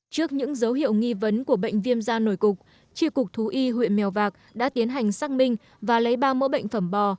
trước những dấu hiệu nghi vấn của bệnh viêm da nổi cục tri cục thú y huyện mèo vạc đã tiến hành xác minh và lấy ba mẫu bệnh phẩm bò